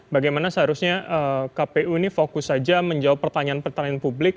bagaimana seharusnya kpu ini fokus saja menjawab pertanyaan pertanyaan publik